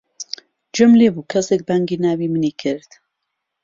گوێم لێ بوو کەسێک بانگی ناوی منی کرد.